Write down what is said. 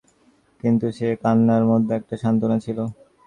কিন্তু সে কান্নার মধ্যে একটা সান্ত্বনা ছিল।